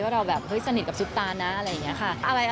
เราแบบเฮ้ยสนิทกับซุปตานะอะไรอย่างนี้ค่ะ